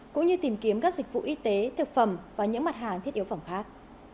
cũng như tìm kiếm các dịch vụ y tế thực phẩm và những mặt hàng thiết yếu phẩm khác